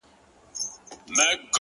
ه بيا به دې څيښلي وي مالگينې اوبه;